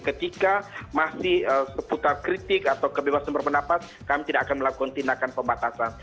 ketika masih seputar kritik atau kebebasan berpendapat kami tidak akan melakukan tindakan pembatasan